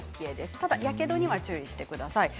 ただやけどには注意してください。